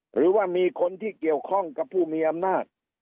หรือว่ามีคนที่เกี่ยวข้องกับผู้มีอำนาจ